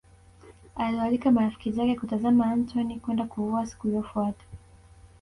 Aliwaalika marafiki zake kutazama Antony kwenda kuvua siku iliyofuata